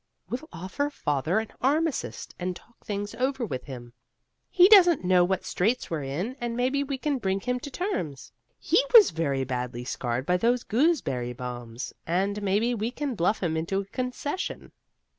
We'll offer Father an armistice and talk things over with him. He doesn't know what straits we're in, and maybe we can bring him to terms. He was very badly scared by those gooseberry bombs, and maybe we can bluff him into a concession."